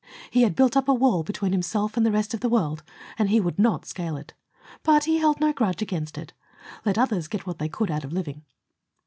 He had built up a wall between himself and the rest of the world, and he would not scale it. But he held no grudge against it. Let others get what they could out of living.